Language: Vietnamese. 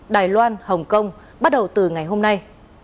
đài loan hồng kông bắt đầu từ ngày hôm nay